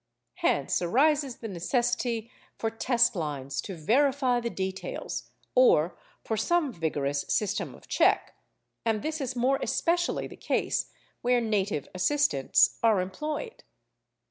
Hence arises the necessity for test lines to verify the details, or for some vigorous system of check; and this is more especially the case where native assistants are employed.